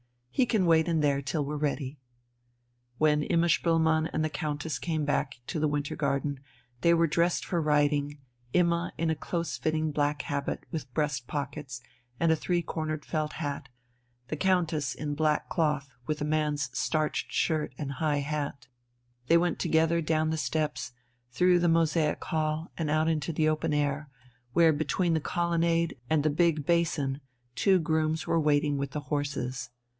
He can wait in there till we're ready...." When Imma Spoelmann and the Countess came back to the winter garden they were dressed for riding, Imma in a close fitting black habit with breast pockets and a three cornered felt hat, the Countess in black cloth with a man's starched shirt and high hat. They went together down the steps, through the mosaic hall, and out into the open air, where between the colonnade and the big basin two grooms were waiting with the horses.